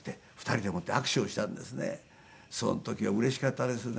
その時はうれしかったですね。